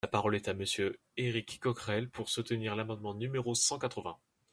La parole est à Monsieur Éric Coquerel, pour soutenir l’amendement numéro cent quatre-vingts.